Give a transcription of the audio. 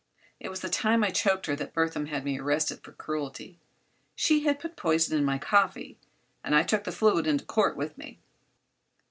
It was the time I choked her that Burthon had me arrested for cruelty. She had put poison in my coffee and I took the fluid into court with me.